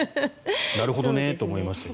なるほどねと思いましたが。